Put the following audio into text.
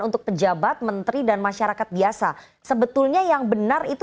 untuk pejabat menteri dan masyarakat biasa sebetulnya yang benar itu